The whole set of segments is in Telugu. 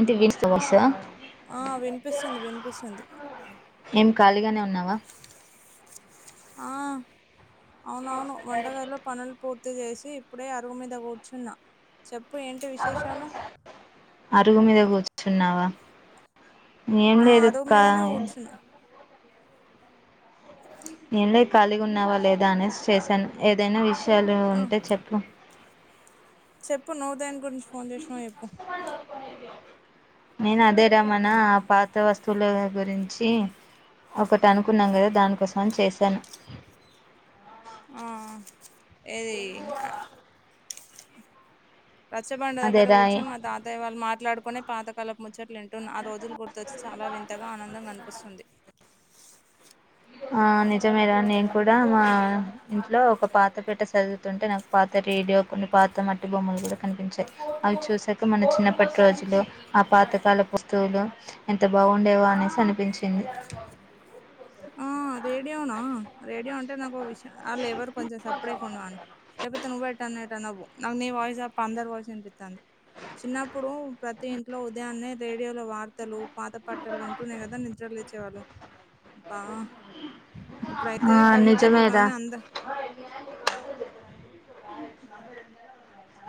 ఇంటిక్ తీసుకొని వస్సా ఆ విన్పిస్తుంది విన్పిస్తుంది ఏం ఖాళీగానే ఉన్నావా? ఆ అవునవును వంటగదులో పనులు పూర్త్ పూర్తి చేసి ఇప్పుడే అరువు మీద కూర్చున్న చెప్పు ఏంటి విశేషాలు? అరుగు మీద కూర్చున్నావా ఏం ఆ లేదు అరువు మీదనే క్కాయ కూర్చున్నా ఏం లేదు ఖాళీగా ఉన్నావా లేదా అనేస్ చేశాను ఏదైనా విషయాలు ఆ ఉంటే చెప్పు చెప్పు నువ్వు దేని గురించి ఫోన్ చేసినావొ చెప్పు నేను అదే రమనా ఆ పాత వస్తువుల గురించి ఒకటి అనుకున్నాం కదా దానికోసం అని చేశాను ఆ ఏది ఆ రచ్చబండ దగ్గర అదేరా కూర్చొని మా తాతయ్య వాళ్ళు మాట్లాడుకునే పాతకాలపు ముచ్చట్లు వింటున్న ఆ రోజులు గుర్తొస్త్ చాలా వింతగా ఆనందంగా అనిపిస్తుంది ఆ నిజమేరా నేను కూడా మా ఇంట్లో ఒక పాత పెట్టె చదువుతుంటే నాకు పాత డ్ రేడియో కొన్ని పాత మట్టి బొమ్మలు కూడా కనిపించాయి అవి చూసాక మన చిన్నప్పటి రోజులు ఆ పాతకాల వస్తువులు ఎంత బాగుండేవో అనేసి అనిపించింది ఆ రేడియో నా రేడియో అంటే నాకు ఆళ్ళు ఎవరు కొంచెం సప్పడేక ఉండుమను లేపోతే నువ్ ఏ ఎటన్న పో నాకు నీ వాయిస్ అ అందరు వాయిస్ వినిపిస్తది చిన్నప్పుడు ప్రతి ఇంట్లో ఉదయాన్నే రేడియో లో వార్తలు పాత పాటలు వింటునే కదా నిద్ర లేచే వాళ్ళము బా ఇప్పుడైతే ఆ కళ్ళు నిజమేరా తెరవగానే అంద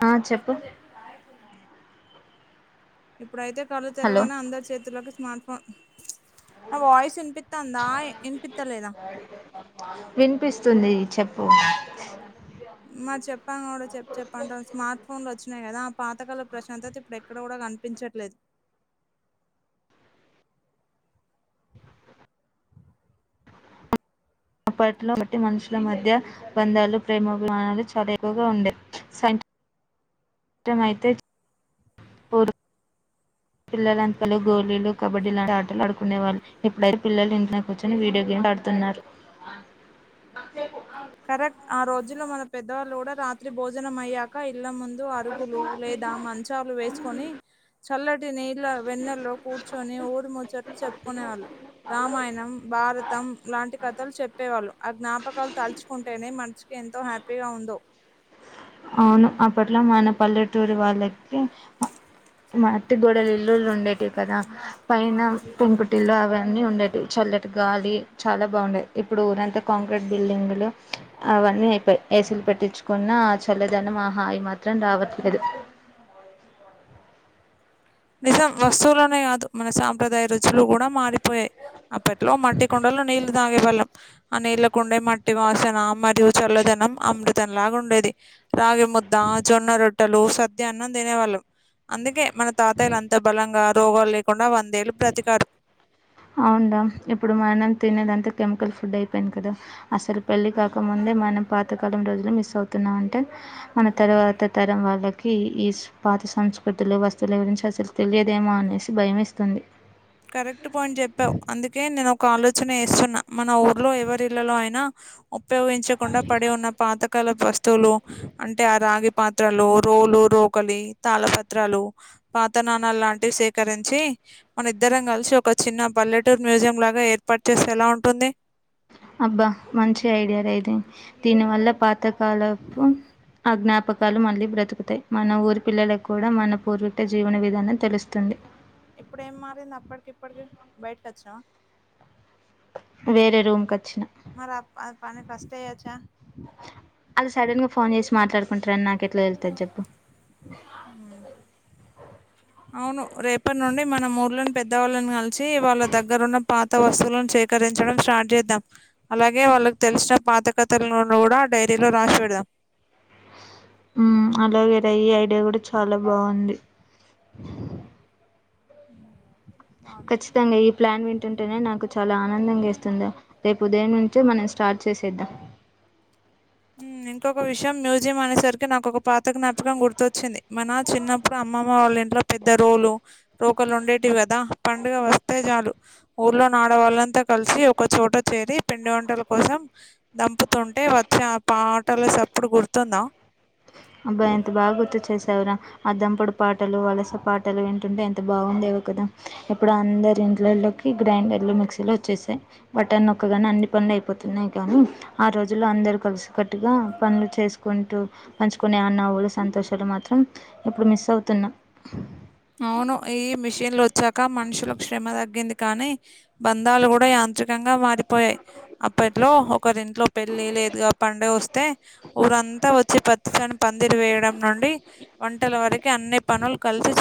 ఆ చెప్పు ఇప్పుడైతే కళ్ళ హలో తరువానే అందరి చేతుల్లోకి స్మార్ట్ ఫోన్ ఆ వాయిస్ ఇనిపితందా ఇనిపితలేదా వినిపిస్తుంది చెప్పు మరి చెప్పంగా కూడా చెప్పు చెప్పంటావు స్మార్ట్ ఫోన్లు వచ్చినాయి కదా ఆ పాతకాల ప్రశాంతత ఇప్పుడు ఎక్కడ కూడా కనిపించట్లేదు అప్పట్లో బట్టి మనుషుల మధ్య బంధాలు ప్రేమాభిమానాలు చాలా ఎక్కువగా ఉండేయి స సాధ్యమైతే పిల్లలంతలో గోలీలు కబడ్డీ లాంటి ఆటలు ఆడుకునేవాళ్ళు ఇప్పుడైతే పిల్లలు ఇంట్లోనే కూర్చొని వీడియో గేమ్ మాట్లాడుతున్నారు అక్కయ కు కరెక్ట్ ఆ రోజులో మన పెద్దవాళ్ళు కూడా రాత్రి భోజనం అయ్యాక ఇళ్ల ముందు అరుగులు లేదా మంచాలు వేసుకొని చల్లటి నీళ్ళ వెన్నల్లో కూర్చొని ఊరు ముచ్చట్లు చెప్పుకునేవాళ్ళు రామాయణం భారతం లాంటి కథలు చెప్పేవాళ్ళు ఆ జ్ఞాపకాలు తలచు అనీ మనసుకి ఎంతో హ్యాపీగా ఉందో అవును అప్పట్లో మన పల్లెటూరు వాళ్ళకి మట్టి గోడలు ఇల్లులు ఉండేటివి కదా పైన పెంకుటిల్లు అవన్నీ ఉండేటివి చల్లట్ గాలి చాలా బాగుండేది ఇప్పుడు ఊరంతా కాంక్రీట్ బిల్డింగ్లు అవన్నీ అయిపోయయి ఏసి లు పెట్టించుకున్నా చల్లదనం ఆ హాయి మాత్రం రావట్లేదు నిజం వస్తువులోనే కాదు మన సాంప్రదాయ రుచులు కూడా మారి పోయాయి అప్పట్లో మట్టి కుండలో నీళ్ళలు తాగేవాళ్ళం ఆ నీళ్ళ కుండే మట్టి వాసన మరియు చల్లదనం అమృతంలాగా ఉండేది రాగి ముద్ద జొన్న రోట్టలు సిద్ధి అన్నం తినే వాళ్ళు అందుకే మన తో అవున్ రా ఇప్పుడు మనం తినేదంతా కెమికల్ ఫుడ్ అయిపోయింది కదా అసలు పెళ్లి కాకముందే మనం పాతకాలం రోజులు మిస్ అవుతున్నా అంటే మన తర్వాత తరం వాళ్ళకి ఈ పాత సంస్కృతులు వస్తువులు గురించి తెలియదేమో అనేసి భయం వేస్తుంది కరెక్ట్ పాయింట్ చెప్పావు అందుకే నేను ఒక ఆలోచన చేస్తున్నా మన ఊర్లో ఎవరిళ్లలో అయినా ఉపయోగించకుండా పడి ఉన్న పాత పాతకాలపు వస్తువులు అంటే ఆ రాగి పాత్రలు రోలు రోకలి తాళ పత్రాలు పాత నాణాలు లాంటివి సేకరించి మన ఇద్దరం కల్సి ఒక చిన్న పల్లెటూరు మ్యూజియం లాగా ఏర్పాటు చేస్తే ఎలా ఉంటుంది అబ్బా మంచి ఐడియా ర ఇది దీని వల్ల పాతకాలపు ఆ జ్ఞాపకాలు మళ్ళీ బ్రతుకుతాయి, మన ఊరి పిల్లలకు కూడా మన పూర్వీక జీవన విధానం తెలుస్తుంది. ఇప్పుడేం మారింది అప్పట్కిప్పట్కి బయటకచ్నావ వేరే రూమ్ కచ్చిన సయాచా అది సడన్ గా ఫోన్ చేసి మాట్లాడుకుంటరని నాకెట్ల తెలుస్తది జెప్పు అవును రేపడి నుండి మనం ఊర్లోని పెద్దవాళ్ళని గల్షి వాళ్ళ దగ్గర ఉన్న పాత వస్తువులను సేకరి ఇంచడం స్టార్ట్ చేద్దాం అలాగే వాళ్ళకి తెల్షిన పాత కథలోను గుడ డైరీలో రాసి పెడదాం [inaudible] మ్మ్ అలాగేర ఈ ఐడియా గుడ చాలా బావుంది ఖచ్చితంగా ఈ ప్లాన్ వింటుంటేనే నాకు చాలా ఆనందంగా ఏస్తుంద రేపు ఉదయం నుంచే మనం స్టార్ట్ చేసేద్దాం మ్మ్ ఇంకొక విషయం మ్యూజియం అనేసరికే నాకొక పాత జ్ఞాపకం గుర్తొచ్చింది మనా చిన్నప్పుడు అమ్ అమ్మమ్మ వాళ్ళింట్లో పెద్ద రోలు రోకలు ఉండేటివి గదా పండుగ వస్తే జాలు ఊర్లో ఆడవాళ్లంతా కలిసి ఒక చోట చేరి పిండి వంటల కోసం దంపుతుంటే వచ్చే పాటల సప్పుడు గుర్తుందా అబ్బా ఎంత బా గుర్తు చేసావురా ఆ దంపుడు పాటలు అలస పాటలు వింటుంటే ఎంత బాగుండే కదా ఇప్పుడు అందరి ఇండ్లలోకి గ్రైండర్ లు మిక్సీ లు వచ్చేసాయి బటన్ నొక్కగానే అన్ని అయిపోతున్నాయి గానీ ఆ రోజుల్లో అందరు కలిసికట్టుగా పనులు చేసుకుంటూ పంచుకునే ఆ నవ్వులు సంతోషాలు మాత్రం ఇప్పుడు మిస్ అవుతున్నాం అవును ఈ మిషిన్లు వచ్చాక మనుషులకు ష్రమ తగ్గింది కానీ బంధాలు గూడా యాంత్రికంగా మారిపోయాయి అప్పట్లో ఒకరింట్లో పెళ్లి లేదుగా పండే ఊరంతా వచ్చి పచ్చని పందిరు వేయడం నుండి వంటల వరకు అన్నీ పనులు కలిసి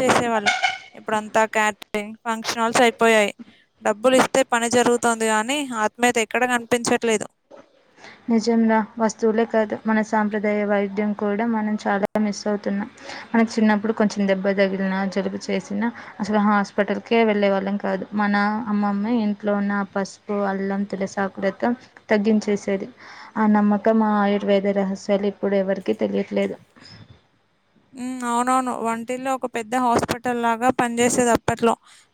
ఫంక్షనాల్స్ అయిపోయాయి డబ్బులి తే పని జరుగుతోంది కానీ ఆత్మీయత ఎక్కడ కనిపించట్లేదు నిజం రా వస్తువులే కాదు మన సాంప్రదాయ వైద్యం కూడా మనం చాలా మిస్ అవుతున్నాం మనకి చిన్నప్పుడు కొంచెం దెబ్బ దగిలిన జలుబు చేసినా అసలు హాస్పిటల్కే వెళ్ళే వాళ్ళం కాదు మన అమ్మమ్మే ఇంట్లో ఉన్న పసుపు అల్లం తులసాకులతో తగ్గించేసేది ఆ నమ్మకం ఆ ఆయుర్వేద రహస్యాలు ఇప్పుడు ఎవరికి తెలియట్లేదు మ్మ్ అవునవును వంటిల్లో ఒక పెద్ద హాస్పిటల్ లాగా పనిజేసేది అప్పట్లో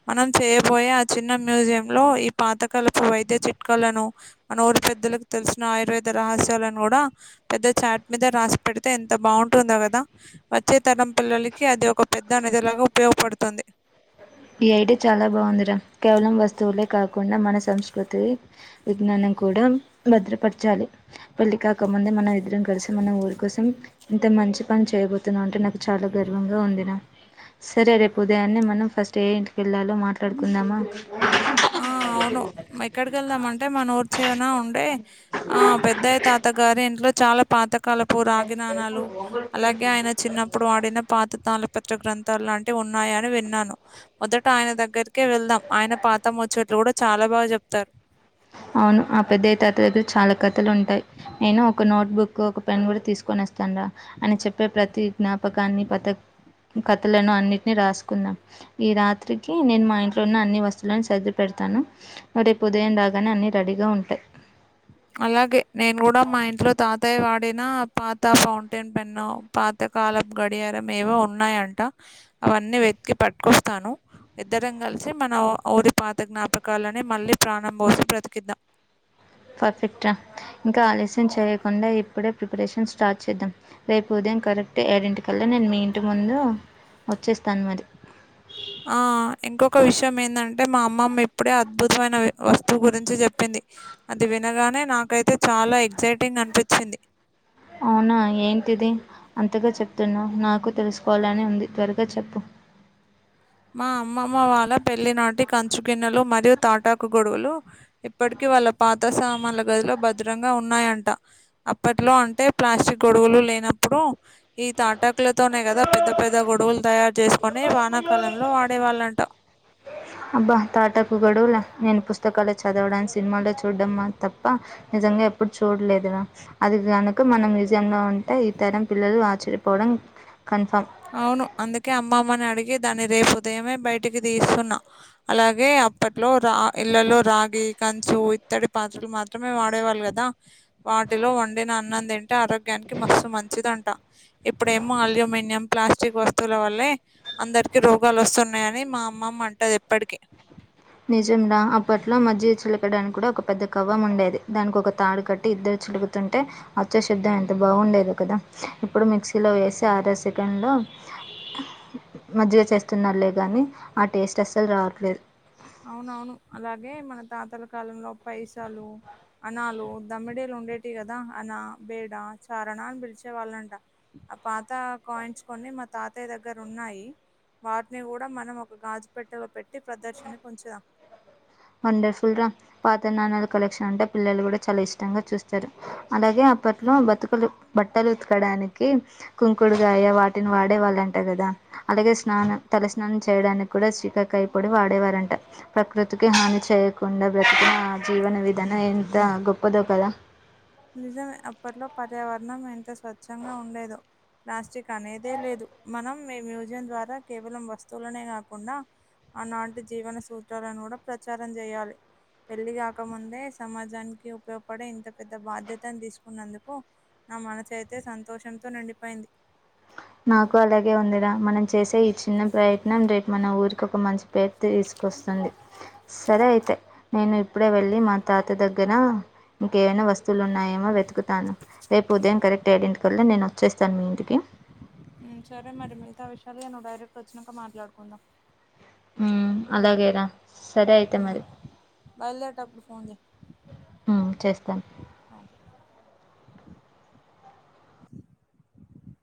మనం చే పోయే ఆ చిన్న మ్యూజియం లో ఈ పాత కాలపు వైద్య చిట్కలను మన ఊరు పెద్దలకు తెలుసు ఆయుర్వేద రహస్యాలను గూడా పెద్ద చాట్ మీద రాసి పెడితే ఎంత బాగుంటుందో గదా వచ్చే తరం పిల్లలకి అది ఒక పెద్ద నిధిలాగా ఉపయోగపడుతుంది ఈ ఐడి చాలా బాగుంది రా కేవలం వస్తువులే కాకుండా మన సంస్కృతి విజ్ఞాని కూడా భద్రపరచాలి పెళ్లి కాకముందే మనం ఇద్దరం కలిసి మన ఊరి కోసం అంత మంచి పని చేయబోతున్నావు అంటే నాకు చాలా గర్వంగా ఉందినా సరే రేపు ఉదయాన్నే మనం ఫస్ ఇంటికెళ్ళాలో మాట్లాడుకుందామా ఆ అవును ఎక్కడికెళ్దామంటే మన ఊర్చివనా ఉండే ఆ పెద్దయ తాత గారి ఇంట్లో చాలా పాతకాలపు రాగి నాణాలు అలాగే ఆయన చిన్నప్పుడు ఆడిన పాతతాల పత్ర గ్రంథాలు లాంటి ఉన్నాయని విన్నాను మొదట ఆయన దగ్గరికే వెళ్దాం ఆయన పాత ముచ్చట్లు గూడా చాలా బా చెప్తార్ అవును ఆ పెద్దయ్య తాత దగ్గర చాలా కథలుంటాయి నేను ఒక నోట్ బుక్ ఒక పెన్ గూడ తీసుకుని వస్తండ అని చెప్పే ప్రతి జ్ఞాపకాన్ని పత కథలను అన్నిటిని రాసుకున్నా ఈ రాత్రికి నేను మా ఇంట్లో ఉన్న అన్ని వస్తువులను సద్ది పె తాను రేపు ఉదయం రాగానే అన్ని రెడీగా ఉంటాయి అలాగే నేను కూడా మా ఇంట్లో తాతయ్య వాడిన పాత ఫౌంటైన్ పెన్ను పాత కాలం గడియారం ఏవో ఉన్నాయంట అవన్నీ వెతికి పట్టుకొస్తాను ఇద్దరంగ కలిసి మన ఊరి పాత జ్ఞాపకాలని మళ్ళీ ప్రాణం భోసి బ్రతికిద్దాం పర్ఫెక్ట్ రా ఇంకా ఆలస్యం చేయకుండా ఇప్పుడే ప్రిపరేషన్ స్టార్ట్ చేద్దాం రేపు ఉదయం కరెక్ట్ ఏడింటి కల్ నేను మీ ఇంటి ముందు వచ్చేస్తాను మరి ఆ ఇంకొక విషయం ఏందంటే మా అమ్మమ్మ ఇప్పుడే అద్భుతమైన వస్తువు గురించి చెప్పింది అది వినగానే నాకైతే చాలా ఎగ్జైటింగ్ అనిపించింది అవునా ఏంటిది అంతగా చెప్తున్నావు నాకు తెలుసుకోవాలని ఉంది త్వరగా చెప్పు [inaudible] మా అమ్మమ్మ వాళ్ళ పెళ్లి నాటి కంచు గిన్నెలు మరియు తాటాకు గొడగులు ఇప్పటికిీ వాళ్ళ పా కొత్త సామాన్ల గదిలో భద్రంగా ఉన్నాయంట అప్పట్లో అంటే ప్లాస్టిక్ గొడవలు లేనప్పుడు ఉ ఈ తాట ట్లతోనే కదా పెద్ద పెద్ద గొడవులు తయారు చేసుకొని వానా కాలంలో వాడేవాళ్ళంట అబ్బా తాటాకు గొడుగుల నేను పుస్ తకాలు చదవడానికి సినిమాలో చూడ్డం తప్ప నిజంగా ఎప్పుడు చూడలేదు రా అది గనుక మన మ్యూజియం లో ఉంటే ఈ తరం పిల్లలు ఆచర్యపోవడం అవును అందుకే అమ్మమ్మని అడి దాని రేపు ఉదయమే బయటికి తీస్తున్నా అలాగే అప్పట్లో రా ఇళ్లలో రాగి కంచు ఇతడి పాత్రలు మాత్రమే వాడేవాళ్ళు కదా వాటిలో వండిన అన్నం తిన్ ఆరోగ్యానికి మస్తు మంచిదంట ఇప్పుడేమో అల్యూమినియం ప్లాస్టిక్ వస్తువుల వల్లే అందరికీ రోగాలు వస్తున్నాయని మా అమ్మమ్మ అంటంది ఎప్పటికీ నిజం రా అప్పట్లో మధ్య చిలకడానికి కూడా ఒక పెద్ద కవ్వం ఉండేది దానికి ఒక తాడు కట్టి ఇద్దరు చిలు తంటే అచ్చశుద్ధం ఎంత బాగుండేదో కదా ఇప్పుడు మిక్సీలో వేసి అర సెకండ్లో మజ్జిగ చేస్తున్నారులే గానీ ఆ టేస్ట్ అస్సలు రావట్లేదు అవునవును అలాగే మన తాతల కాలంలో పైసాలు అనాలు దమిడీలు ఉండేటి కదా అనా బేడా చారన అని పిలిచే వాళ్ళంట ఆ పాత కాయిన్స్ కొ మా తాతయ్య దగ్గర ఉన్నాయి వాటిని కూడా మనం ఒక గాజు పెట్టలో పెట్టి ప్రదర్శిని వచ్చుగా వండర్ఫుల్ రా పాత నాణాలు కలెక్షన్ అంటే పిల్లలు కూడా చాలా ఇష్టంగా చూస్తారు అలాగే అ అప్పట్లో బతుకులు బట్టలు ఉతకడానికి కుంకుడుగాయ వాటిని వాడేవాళ్ళ అంట కదా అలాగే స్నానం తల స్నానం చేయడానికి కూడా శీకా కాయపొడి వాడేవారంట ప్రకృతి తి హాని చేయకుండా బ్రతికిన ఆ జీవన విధాన ఎంత గొప్పదో కదా నిజమే అప్పట్లో పర్యావరణం ఎంత స్వచ్ఛంగా ఉండేదో ప్లాస్టిక్ అనేదే లేదు మనం మీ మ్యూజియం ద్వారా కేవలం వస్తువులనే కాకుండా ఆనాటి జీవన సూత్రాలను కూడా ప్రచారం చేయాలి పెళ్లి కాకముందే సమాజానికి ఉపయోగపడే ఇంత పెద్ద ఇంత బాధ్యతను తీసుకున్నందుకు నా మనుసయితే సంతోషంతో నిండిపోయింది నాకు అలాగే ఉందిరా మనం చేసే ఈ చిన్న ప్రయత్నం రేపు మన ఊరికి ఒక మంచి పేరు తీస్ వస్తుంది సరే అయితే నేను ఇప్పుడే వెళ్ళి మా తాత దగ్గర ఇంకేవైనా వస్తువులు ఉన్నాయేమో వెతుకుతాను రేపు ఉదయం కరెక్ట్ ఏడింటికల్ల నేను వచ్చేస్తాను మీ ఇంటికి ఉమ్ సరే మరి మిగతా విషయాలు నువ్వు డైరెక్ట్ వచ్చానాక మాట్లాడుకుందాం ఉమ్ అలాగేరా సరే అయితే మరి. ఉమ్ బయలుదేరేటప్పుడు ఫోన్ చేయ్ ఆ చేస్తాను